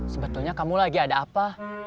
sebetulnya kamu lagi ada apa